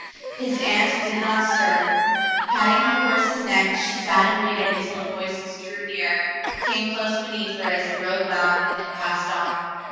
His aunt did not stir. Patting her horse's neck, she sat and waited until the voices drew nearer, came close beneath her as the road wound, and passed on.